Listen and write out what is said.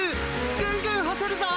ぐんぐん干せるぞ。